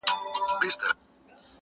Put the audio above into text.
ټول وطن به سي غوجل د حیوانانو -